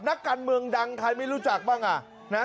นักการเมืองดังใครไม่รู้จักบ้างอ่ะนะ